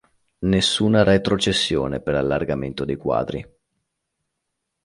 Nessuna retrocessione per allargamento dei quadri.